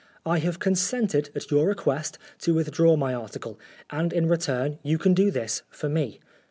I have consented, at your request, to withdraw my article, and in return you can do this for me.